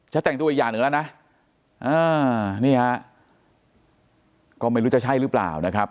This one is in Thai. แต่งตัวอีกอย่างหนึ่งแล้วนะอ่านี่ฮะก็ไม่รู้จะใช่หรือเปล่านะครับ